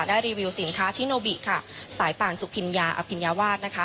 รีวิวสินค้าชิโนบิค่ะสายป่านสุพิญญาอภิญญาวาสนะคะ